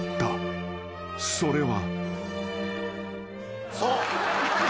［それは］